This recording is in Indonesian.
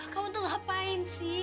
kamu tuh ngapain sih